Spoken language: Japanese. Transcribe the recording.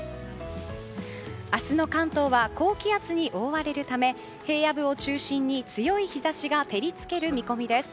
明日の関東は高気圧に覆われるため平野部を中心に強い日差しが照り付ける見込みです。